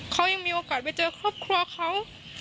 เขายังมีโอกาสไปเจอครอบครัวเขา